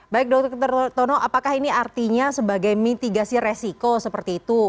baik dr tono apakah ini artinya sebagai mitigasi resiko seperti itu